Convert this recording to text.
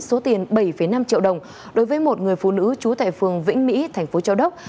số tiền bảy năm triệu đồng đối với một người phụ nữ trú tại phường vĩnh mỹ thành phố châu đốc